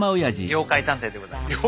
妖怪探偵でございます。